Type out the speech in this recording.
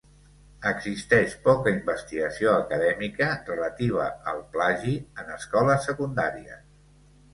Existeix poca investigació acadèmica relativa al plagi en escoles secundàries.